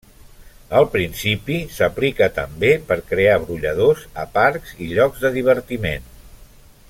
El principi s'aplica també per crear brolladors a parcs i llocs de divertiment.